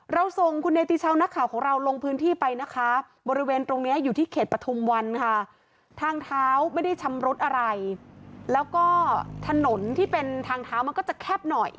เราส่งคุณเนติชาวนักข่าวของเราลงพื้นที่ไปนะคะบริเวณตรงนี้อยู่ที่เขตปฐุมวันค่ะทางเท้าไม่ได้ชำรุดอะไรแล้วก็ถนนที่เป็นทางเท้ามันก็จะแคบหน่อย